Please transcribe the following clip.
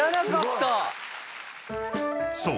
［そう。